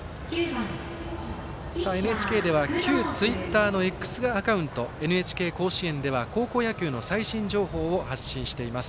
ＮＨＫでは旧ツイッターのＸアカウントＮＨＫ甲子園では高校野球の最新情報を発信しています。